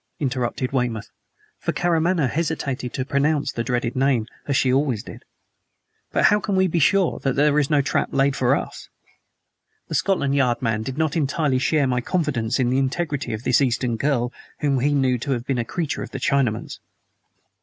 interrupted Weymouth; for Karamaneh hesitated to pronounce the dreaded name, as she always did. "But how can we be sure that there is no trap laid for us?" The Scotland Yard man did not entirely share my confidence in the integrity of this Eastern girl whom he knew to have been a creature of the Chinaman's.